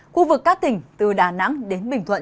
khu vực các tỉnh từ đà nẵng đến bình thuận